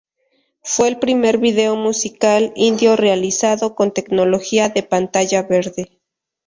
Fue el primer vídeo musical indio realizado con tecnología de pantalla verde.